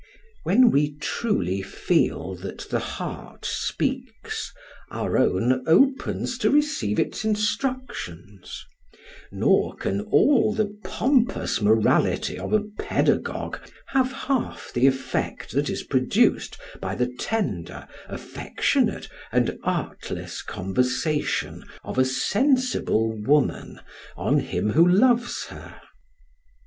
When we truly feel that the heart speaks, our own opens to receive its instructions, nor can all the pompous morality of a pedagogue have half the effect that is produced by the tender, affectionate, and artless conversation of a sensible woman on him who loves her.